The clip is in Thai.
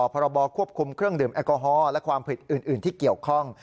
พรบควบคุมเครื่องดื่มแอลกอฮอล์และความผิดอื่นที่เกี่ยวข้อง